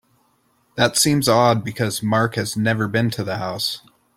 That seems odd because Mark has never been to the house.